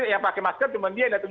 yang pakai masker cuma dia yang datang